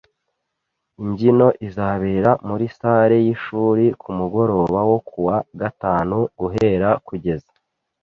Imbyino izabera muri salle yishuri kumugoroba wo kuwa gatanu guhera kugeza